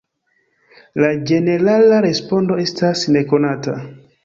La ĝenerala respondo estas nekonata.